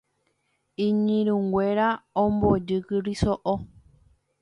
iñirũnguéra ombojýkuri so'o